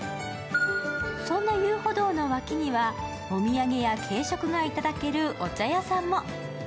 そんな遊歩道の脇にはお土産や軽食がいただけるお茶屋さんも。